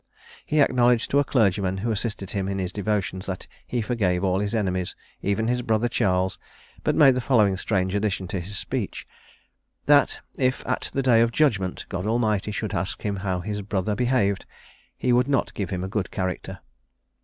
He acknowledged to a clergyman who assisted him in his devotions that he forgave all his enemies, even his brother Charles; but made the following strange addition to his speech: "that if, at the day of judgment, God Almighty should ask him how his brother behaved, he would not give him a good character."